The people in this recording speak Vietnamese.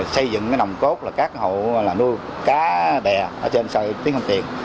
xây dựng nồng cốt các hộ nuôi cá bè trên sân tiếng sông tiền